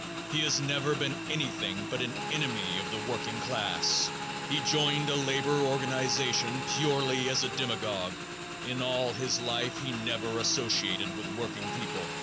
He has never been anything but an enemy of the working class. He joined a labor organization purely as a demagogue. In all his life he never associated with working people.